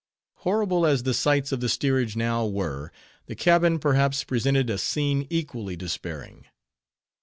Horrible as the sights of the steerage now were, the cabin, perhaps, presented a scene equally despairing.